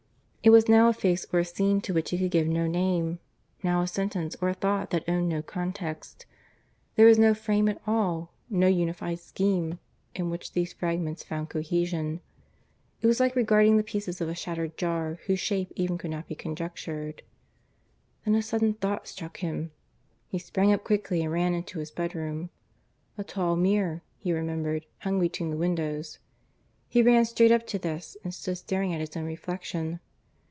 It was now a face or a scene to which he could give no name; now a sentence or a thought that owned no context. There was no frame at all no unified scheme in which these fragments found cohesion. It was like regarding the pieces of a shattered jar whose shape even could not be conjectured. ... Then a sudden thought struck him; he sprang up quickly and ran into his bedroom. A tall mirror, he remembered, hung between the windows. He ran straight up to this and stood staring at his own reflection.